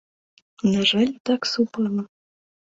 На жаль, так супала.